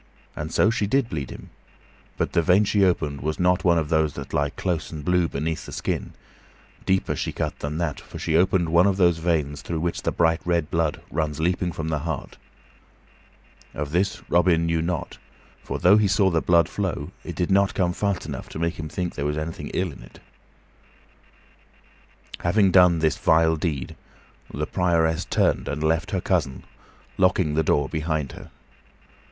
And so she did bleed him, but the vein she opened was not one of those that lie close and blue beneath the skin; deeper she cut than that, for she opened one of those veins through which the bright red blood runs leaping from the heart. Of this Robin knew not; for, though he saw the blood flow, it did not come fast enough to make him think that there was anything ill in it. Having done this vile deed, the Prioress turned and left her cousin, locking the door behind her.